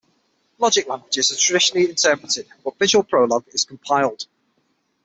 Logic languages are traditionally interpreted, but Visual Prolog is compiled.